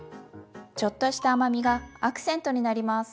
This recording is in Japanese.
ちょっとした甘みがアクセントになります。